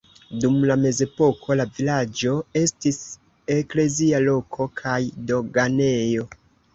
Dum la mezepoko la vilaĝo estis eklezia loko kaj doganejo.